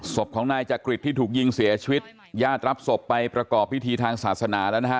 ศพของนายจักริตที่ถูกยิงเสียชีวิตญาติรับศพไปประกอบพิธีทางศาสนาแล้วนะฮะ